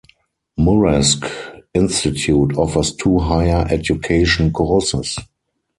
Muresk Institute offers two higher education courses.